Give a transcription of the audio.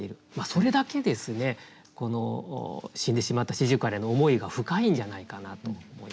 それだけこの死んでしまった四十雀への思いが深いんじゃないかなと思います。